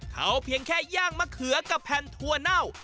เขาเพียงแค่ย่างมะเขือกับแผ่นถั่วเน่า